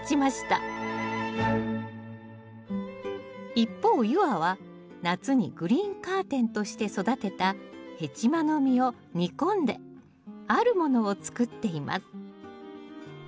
一方夕空は夏にグリーンカーテンとして育てたヘチマの実を煮込んであるものを作っています